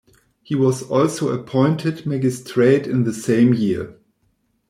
He was also appointed magistrate in the same year.